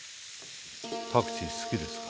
パクチー好きですか？